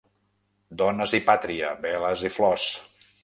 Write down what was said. Dones i pàtria, veles i flors.